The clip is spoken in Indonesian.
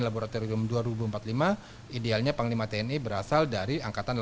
laboratorium dua ribu empat puluh lima idealnya pengelima tni berasal dari angkatan delapan puluh sembilan